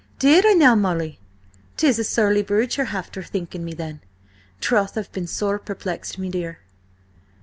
"Did I now, Molly? 'Tis a surly brute you're after thinking me, then? Troth, and I've been sore perplexed, me dear."